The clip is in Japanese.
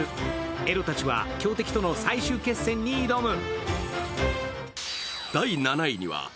エドたちは強敵との最終決戦に挑む。